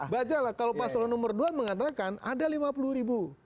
baca lah kalau pasokan nomor dua mengatakan ada lima puluh ribu